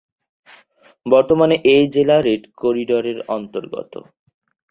বর্তমানে এই জেলা রেড করিডোরের অন্তর্গত।